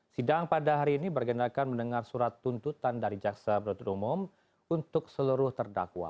sidang pada hari ini bergendakan mendengar surat tuntutan dari jaksa penduduk umum untuk seluruh terdakwa